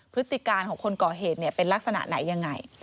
พฤติการของคนก่อเหตุเป็นลักษณะไหนยังไง